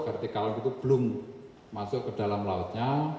berarti kalau gitu belum masuk ke dalam lautnya